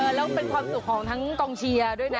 แล้วเป็นความสุขของทั้งกองเชียร์ด้วยนะ